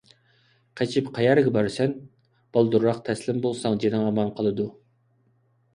قېچىپ قەيەرگە بارىسەن؟ بالدۇرراق تەسلىم بولساڭ جېنىڭ ئامان قالىدۇ!